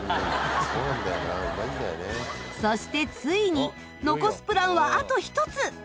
そしてついに残すプランはあと１つ！